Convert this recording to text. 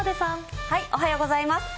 おはようございます。